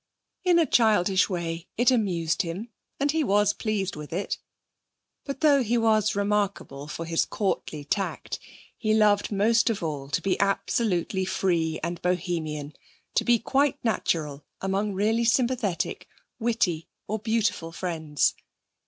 In a childish way it amused him, and he was pleased with it. But though he was remarkable for his courtly tact, he loved most of all to be absolutely free and Bohemian, to be quite natural among really sympathetic, witty, or beautiful friends.